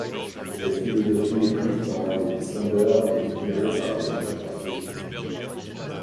Cette philosophie est prise dans les profon deurs et déterrée par des chercheurs spéciaux.